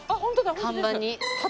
看板に。